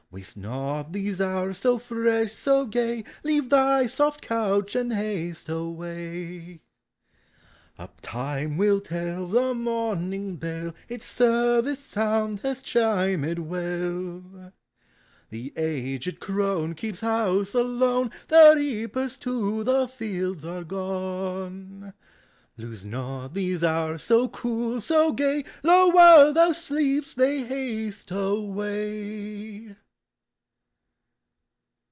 Waste not these hours, so fresh, so gaj : Leave thy soft couch and haste awaj ! Up! Time will tell tin' morning bell Its service sound has chimed well; 40 POEMS OF NATURE. The aged crone keeps house alone, The reapers to the fields are gone. Lose not these hours, so cool, so gay : Lo ! while thou sleep'st they haste away